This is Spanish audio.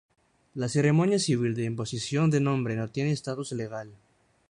La ceremonia civil de imposición de nombre no tiene estatus legal.